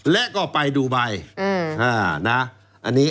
และก็ไปดูไบ